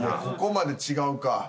ここまで違うか。